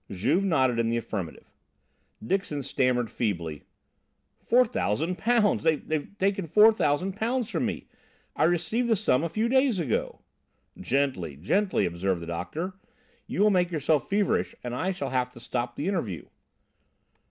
Juve nodded in the affirmative. Dixon stammered feebly: "Four thousand pounds! They've taken four thousand pounds from me! I received the sum a few days ago!" "Gently, gently!" observed the doctor. "You will make yourself feverish and I shall have to stop the interview."